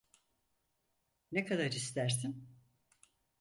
Ne kadar istersin?